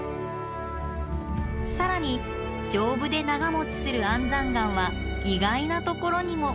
更に丈夫で長もちする安山岩は意外なところにも。